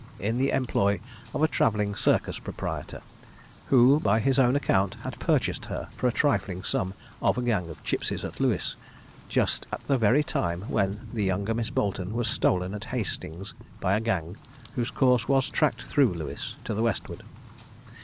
in the employ of a travelling circus proprietor; who, by his own account, had purchased her for a trifling sum, of a gang of gipsies at Lewes, just at the very time when the younger Miss Boleton was stolen at Hastings by a gang whose course was tracked through Lewes to the westward.